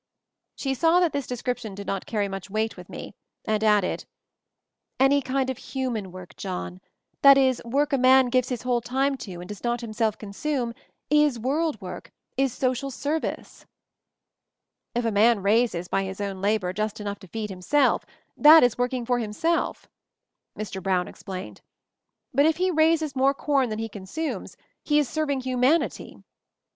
She saw that this description did not carry much weight with me, and added, "Any kind of human work, John ; that is, work a man gives his whole time to and does not himself consume, is world work — is social service." « 'If a man raises, by his own labor, just enough to feed himself — that is working for himself," Mr. Brown explained, "but if he 140 MOVING THE MOUNTAIN raises more corn than he consumes, he is serving humanity."